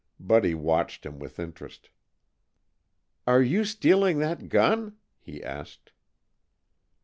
Buddy watched him with interest. "Are you stealing that gun?" he asked.